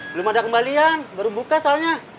belum ada kembalian baru buka soalnya